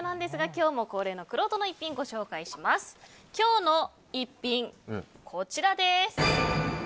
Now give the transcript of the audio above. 今日の逸品、こちらです。